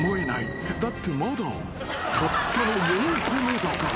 ［だってまだたったの４個目だから］